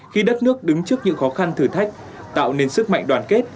khi đất nước đứng trước những khó khăn thử thách tạo nên sức mạnh đoàn kết